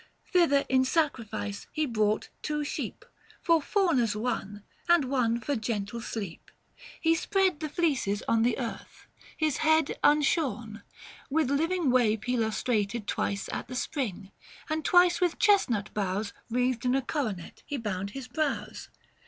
Thither in sacrifice he brought two sheep, 750 For Faunus one, and one for gentle Sleep. He spread the fleeces on the earth ; his head Unshorn, with living wave he lustrated Twice at the spring : and twice with chestnut boughs Wreathed in a coronet he bound his brows.